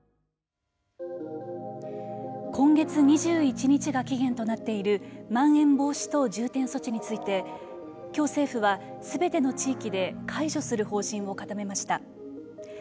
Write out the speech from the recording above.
今月２１日が期限となっているまん延防止等重点措置についてきょう政府はすべての地域で解除する方針を固めました。